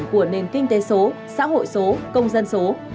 của nền kinh tế số xã hội số công dân số